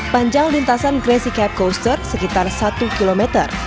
panjang lintasan crazy cat coaster sekitar satu km